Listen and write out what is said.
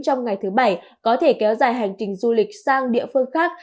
trong ngày thứ bảy có thể kéo dài hành trình du lịch sang địa phương khác